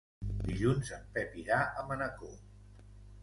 Dilluns en Pep irà a Manacor.